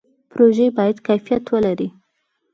پروژې باید کیفیت ولري